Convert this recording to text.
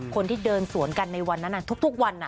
คนที่เดินสวนกันในวันนั้นทุกวัน